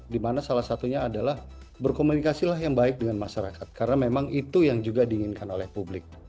dimana salah satunya adalah berkomunikasilah yang baik dengan masyarakat karena memang itu yang juga diinginkan oleh publik